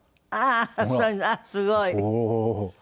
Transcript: あっすごい！